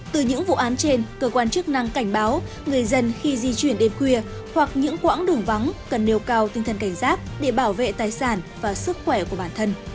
từ những vụ án trên cơ quan chức năng cảnh báo người dân khi di chuyển đêm khuya hoặc những quãng đường vắng cần nêu cao tinh thần cảnh giác để bảo vệ tài sản và sức khỏe của bản thân